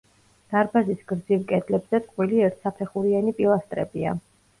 დარბაზის გრძივ კედლებზე წყვილი ერთსაფეხურიანი პილასტრებია.